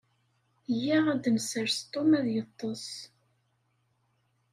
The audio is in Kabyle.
Yya ad nessers Tum ad yeṭṭes.